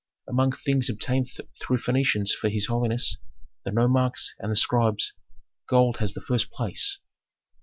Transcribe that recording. "Among things obtained through Phœnicians for his holiness, the nomarchs, and the scribes, gold has the first place.